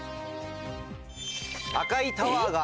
赤いタワーが！